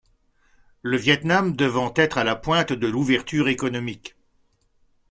Le Viêt Nam devant être à la pointe de l'ouverture économique.